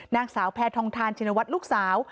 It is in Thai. นางสาวแพทองทานชินวัฒน์ลูกสาว